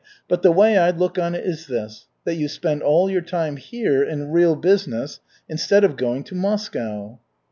But the way I look on it is this, that you spend all your time here in real business instead of going to Moscow."